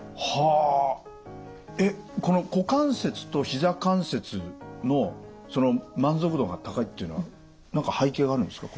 えっこの股関節とひざ関節のその満足度が高いっていうのは何か背景があるんですか？